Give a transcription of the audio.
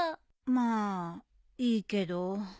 まあいいけど。